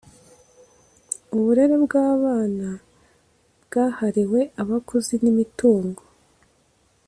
uburere bw’abana bwahariwe abakozi n’imitungo